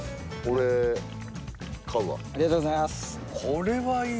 ありがとうございます。